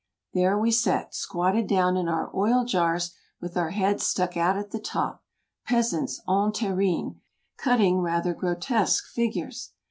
There we sat, squatted down in our oil jars, with our heads stuck out at the top, like peasants en terrine, cutting rather gro tesque figures.